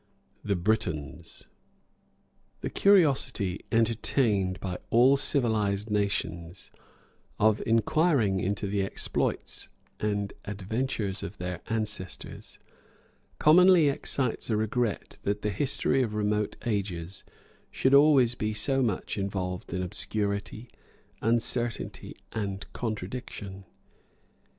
THE BRITONS. The curiosity entertained by all civilized nations, of inquiring into the exploits and adventures of their ancestors, commonly excites a regret that the history of remote ages should always be so much involved in obscurity, uncertainty, and contradiction.